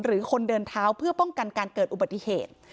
หรือคนเดินเท้าเพื่อป้องกันการเกิดอุบัติเหตุ